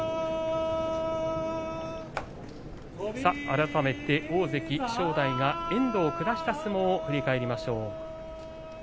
改めて大関正代が遠藤を下した相撲を振り返ります。